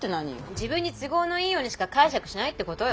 自分に都合のいいようにしか解釈しないってことよ。